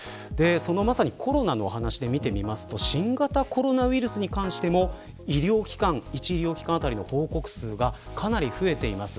まさにコロナの話で見てみると新型コロナに関しても１医療機関あたりの報告数がかなり増えています。